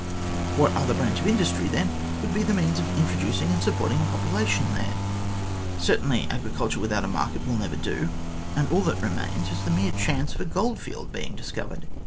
What other branch of industry, then r would be the means of introducing and supporting a population there ? Certainly, agriculture without a market will never do ; and all that remains is the mere chance of a gold field being discovered.